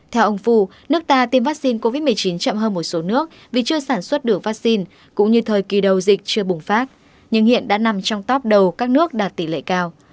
theo ông fu nước ta tiêm vaccine covid một mươi chín chậm hơn một số nước vì chưa sản xuất được vaccine cũng như thời kỳ đầu dịch chưa bùng phát nhưng hiện đã nằm trong top đầu các nước đạt tỷ lệ cao